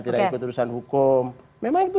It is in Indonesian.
tidak ikut urusan hukum memang itu